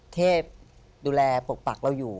เทพดูแลปกปักเราอยู่